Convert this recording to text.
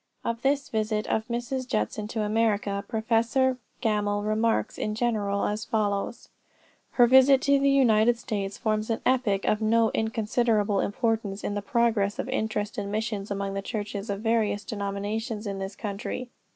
Of this visit of Mrs. Judson to America, Professor Gammell remarks in general, as follows: "Her visit to the United States forms an epoch of no inconsiderable importance in the progress of interest in missions among the churches of various denominations in this country.